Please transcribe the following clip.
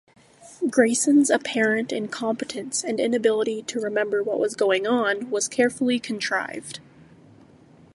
Grayson's apparent incompetence and inability to remember what was going on was carefully contrived.